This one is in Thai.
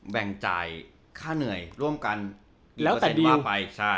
แบ่งจ่ายค่าเหนื่อยร่วมกันแล้วแต่ดีล